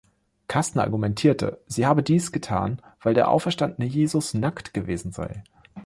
Kastner argumentierte, sie habe dies getan, weil der auferstandene Jesus nackt gewesen sei.